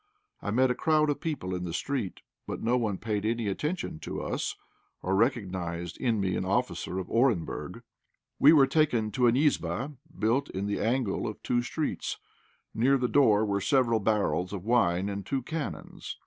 I met a crowd of people in the street, but no one paid any attention to us, or recognized in me an officer of Orenburg. We were taken to a "izbá," built in the angle of two streets. Near the door were several barrels of wine and two cannons.